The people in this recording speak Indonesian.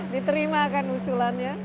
diterima kan usulannya